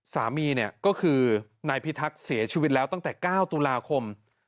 สามีเนี่ยก็คือนายพิทักษ์เสียชีวิตแล้วตั้งแต่๙ตุลาคม